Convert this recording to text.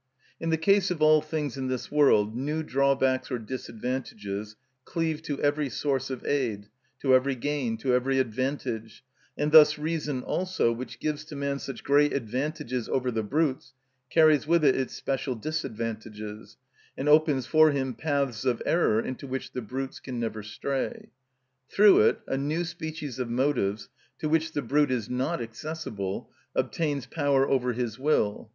In the case of all things in this world new drawbacks or disadvantages cleave to every source of aid, to every gain, to every advantage; and thus reason also, which gives to man such great advantages over the brutes, carries with it its special disadvantages, and opens for him paths of error into which the brutes can never stray. Through it a new species of motives, to which the brute is not accessible, obtains power over his will.